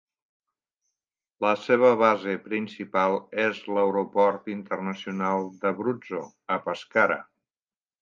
La seva base principal és l'Aeroport Internacional d'Abruzzo, a Pescara.